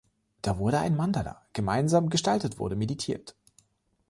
Da wurde ein Mandala gemeinsam gestaltetwurde meditiert.